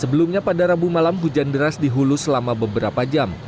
sebelumnya pada rabu malam hujan deras dihulu selama beberapa jam